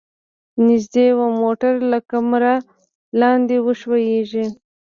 نږدې و موټر له کمره لاندې وښویيږي.